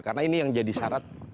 karena ini yang jadi syarat